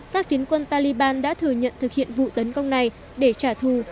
các phiến quân taliban đã thừa nhận thực hiện vụ tấn công này để trả thù